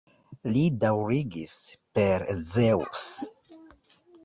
Li daŭrigis: Per Zeŭs!